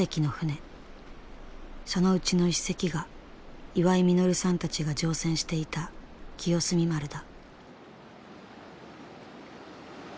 そのうちの１隻が岩井實さんたちが乗船していた清澄丸だ。